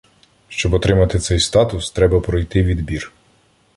Щоб отримати цей статус, треба пройти відбір